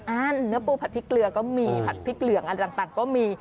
เนื้อปูผัดพริกเกลือก็มีผัดพริกเหลืองอะไรต่างก็มี